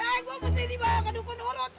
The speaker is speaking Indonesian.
eh gue mesti dibawa ke dukun urut